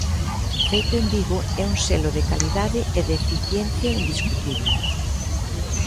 Feito en Vigo, é un selo de calidade e de eficiencia indiscutible.